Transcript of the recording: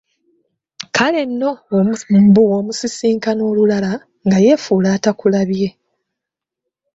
Kale nno mbu bw'omusisinkana olulala nga yefuula atakulabye.